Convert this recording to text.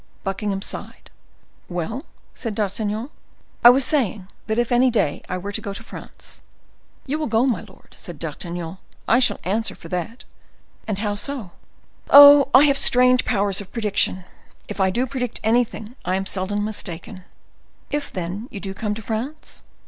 Buckingham sighed. "Well?" said D'Artagnan. "I was saying that if, any day, I were to go to France—" "You will go, my lord," said D'Artagnan, "I shall answer for that." "And how so?" "Oh, I have strange powers of prediction; if I do predict anything I am seldom mistaken. If, then, you do come to France?"